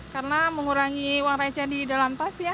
karena mengurangi uang receh di dalam tas ya